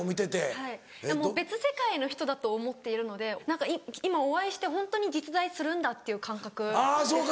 はいもう別世界の人だと思っているので何か今お会いしてホントに実在するんだっていう感覚ですね。